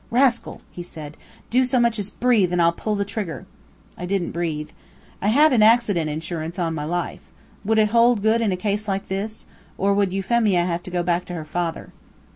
"Rascal!" he said. "Do as much as breathe, and I'll pull the trigger." I didn't breathe. I had an accident insurance on my life. Would it hold good in a case like this? Or would Euphemia have to go back to her father?